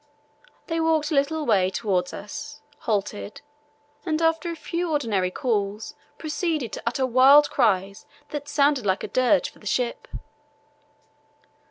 They walked a little way towards us, halted, and after a few ordinary calls proceeded to utter weird cries that sounded like a dirge for the ship.